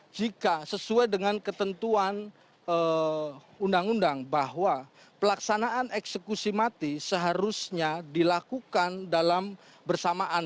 jika sesuai dengan ketentuan undang undang bahwa pelaksanaan eksekusi mati seharusnya dilakukan dalam bersamaan